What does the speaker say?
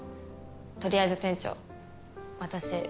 とりあえず店長私